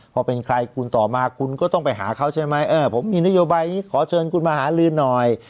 พอเป็นใครคุณต่อมาคุณก็ต้องไปหาเขาใช่ไหมเออผมมีนโยบายอย่างนี้ขอเชิญคุณมาหาลือหน่อย